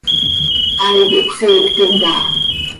Hai quih cösiictim caha.